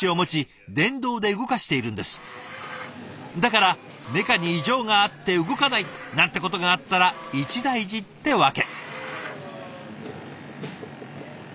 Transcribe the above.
だからメカに異常があって動かない！なんてことがあったら一大事ってわけ。